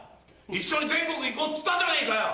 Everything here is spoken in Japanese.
一緒に全国行こうっつったじゃねえかよ！